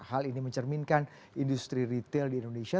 hal ini mencerminkan industri retail di indonesia